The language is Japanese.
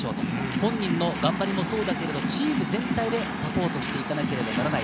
本人の頑張りもそうだけれど、チーム全体でサポートしていかなければならない。